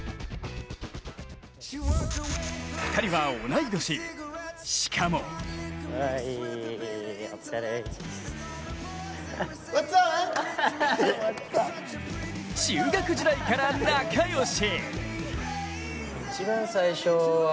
２人は同い年、しかも中学時代から仲良し！